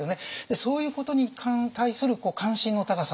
そういうことに対する関心の高さ。